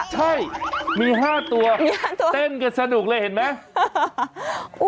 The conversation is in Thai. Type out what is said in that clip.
ใช่มี๕ตัวเต้นกันสนุกเลยเห็นไหม